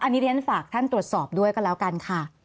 อันนี้เรียนฝากท่านตรวจสอบด้วยก็แล้วกันค่ะ